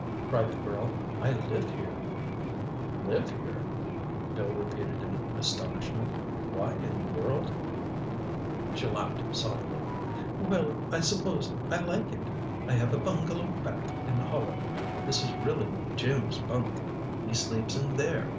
cried the girl. "I live here." "Live here?" Bill repeated in astonishment. "Why in the world—" She laughed softly. "Well, I suppose I like it. I have a bungalow back in the hollow. This is really Jim's bunk. He sleeps in there.